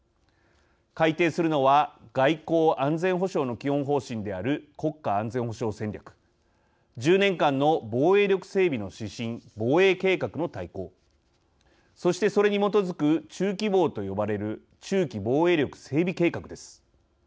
改定するのは外交・安全保障の基本方針である国家安全保障戦略１０年間の防衛力整備の指針、防衛計画の大綱そして、それに基づく中期防と呼ばれる中期防衛力整備計画です。